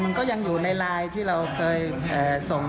มันก็ยังอยู่ในไลน์ที่เราเคยส่ง